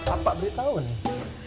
apa beritahu nih